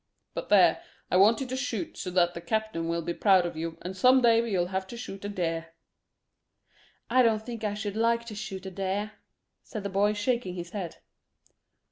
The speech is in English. But there, I want you to shoot so that the captain will be proud of you, and some day you'll have to shoot a deer." "I don't think I should like to shoot a deer," said the boy, shaking his head.